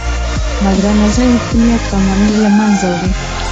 بدرنګه ذهن ښه نیت له منځه وړي